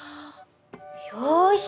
よし。